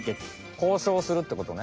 交渉するってことね？